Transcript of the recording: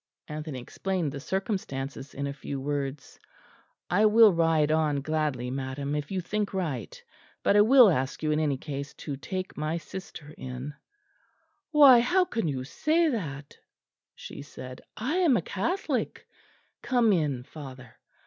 Anthony explained the circumstances in a few words. "I will ride on gladly, madam, if you think right; but I will ask you in any case to take my sister in." "Why, how can you say that?" she said; "I am a Catholic. Come in, father.